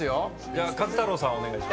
じゃあ壱太郎さんお願いします。